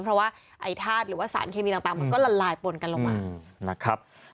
เพราะว่าไอ้ธาตุหรือว่าสารเคมีต่างมันก็ละลายปนกันลงมานะครับ